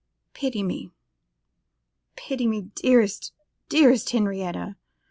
Pity me, pity me, dearest, dearest Henrietta.